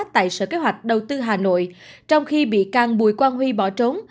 tại sở kế hoạch đầu tư hà nội trong khi bị can bùi quang huy bỏ trốn